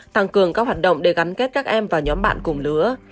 tăng cường các hoạt động để gắn kết các em và nhóm bạn cùng lứa